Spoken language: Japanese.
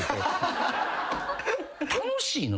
楽しいの？